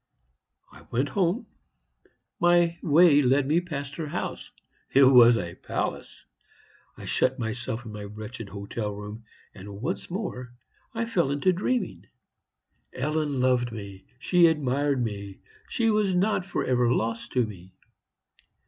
"I went home. My way led me past her house it was a palace. I shut myself up in my wretched hotel room, and once more I fell to dreaming. Ellen loved me; she admired me; she was not for ever lost to me!